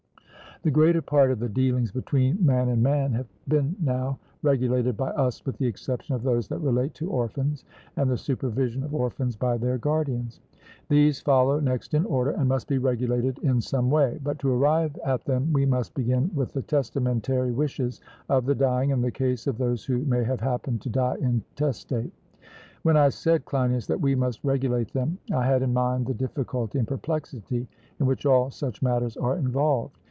The greater part of the dealings between man and man have been now regulated by us with the exception of those that relate to orphans and the supervision of orphans by their guardians. These follow next in order, and must be regulated in some way. But to arrive at them we must begin with the testamentary wishes of the dying and the case of those who may have happened to die intestate. When I said, Cleinias, that we must regulate them, I had in my mind the difficulty and perplexity in which all such matters are involved.